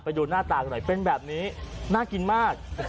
ไปดูหน้าตากันหน่อยเป็นแบบนี้น่ากินมาก